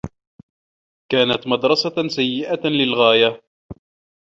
كانت مدرّسة سيّئة للغاية.